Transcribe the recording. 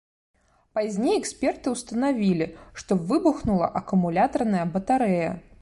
Пазней эксперты ўстанавілі, што выбухнула акумулятарная батарэя.